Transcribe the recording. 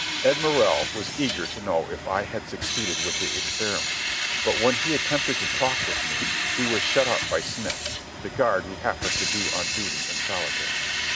Ed Morrell was eager to know if I had succeeded with the experiment; but when he attempted to talk with me he was shut up by Smith, the guard who happened to be on duty in solitary.